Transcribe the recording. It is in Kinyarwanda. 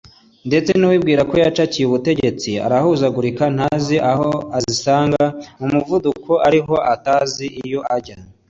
ndetse n’uwibwira ko yacakiye ubutegetsi arahuzagaurika ntazi aho azisanga mu muvuduko ariho atazi iyo ajya